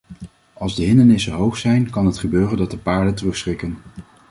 Als de hindernissen hoog zijn, kan het gebeuren dat de paarden terugschrikken.